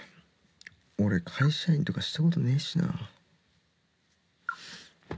俺会社員とかしたことねぇしな」